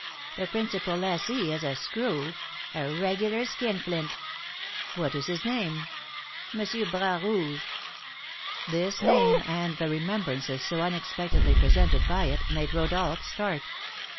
The principal lessee is a screw, a regular skinflint." "What is his name?" "M. Bras Rouge." This name, and the remembrances so unexpectedly presented by it, made Rodolph start.